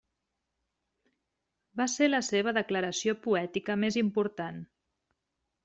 Va ser la seva declaració poètica més important.